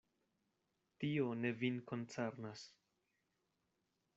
Tio ne vin koncernas.